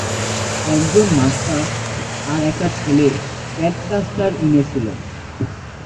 একজন মাস্টার আর একটা ছেলে ট্যাডকাস্টার ইনে ছিল।